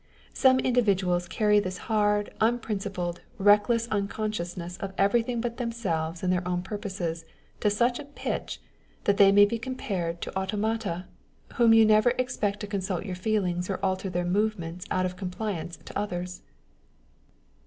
Some individuals carry this hard, unprincipled, reckless unconsciousness of everything but themselves and their own purposes to such a pitch, that they may be compared to automata^ whom you never expect to consult your feelings or alter their movements out of complaisance to others.